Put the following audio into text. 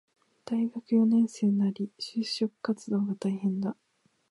大学四年生なり、就職活動が大変だ